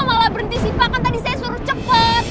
pak gue malah berhenti sipa kan tadi saya suruh cepet